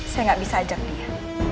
saya nggak bisa ajak dia